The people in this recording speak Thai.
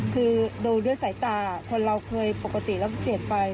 คือดูด้วยสายตาคนเราเคยปกติแล้วเปลี่ยนไป